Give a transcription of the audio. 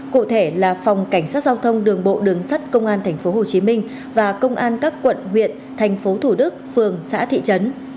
cụ thể là phòng cảnh sát giao thông đường bộ đường sắt công an thành phố hồ chí minh